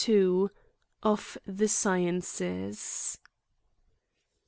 XLII. Of the Sciences.